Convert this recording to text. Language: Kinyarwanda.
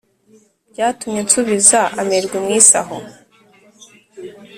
byatumye nsubiza amerwe mu isaho